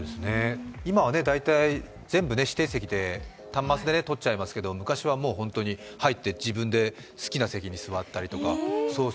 今は大体全部指定席で、端末で取っちゃいますけど、昔は入って自分で好きな席に座ったりとか。